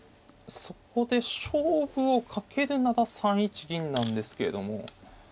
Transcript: そこで勝負をかけるなら３一銀なんですけれども。